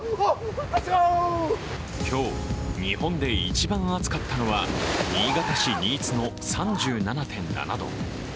今日、日本で一番暑かったのは新潟市新津の３７．７度。